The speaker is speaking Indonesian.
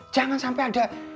jangan sampai ada